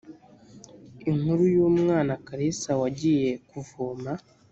inkuru y umwana karisa wagiye kuvoma